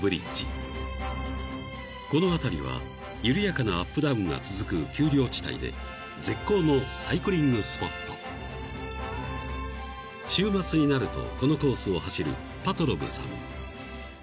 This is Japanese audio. ［この辺りは緩やかなアップダウンが続く丘陵地帯で絶好のサイクリングスポット］［週末になるとこのコースを走るパトロブさん］